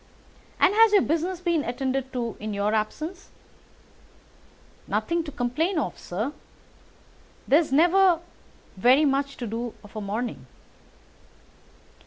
"And has your business been attended to in your absence?" "Nothing to complain of, sir. There's never very much to do of a morning."